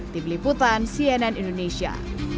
di beliputan cnn indonesia